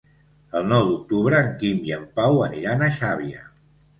El nou d'octubre en Quim i en Pau aniran a Xàbia.